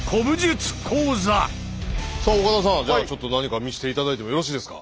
さあ岡田さんじゃあちょっと何か見せて頂いてもよろしいですか？